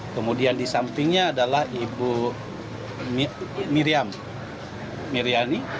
kemudian di sampingnya adalah ibu miriam